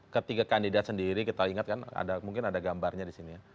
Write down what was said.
ketiga kandidat sendiri kita ingat kan mungkin ada gambarnya di sini ya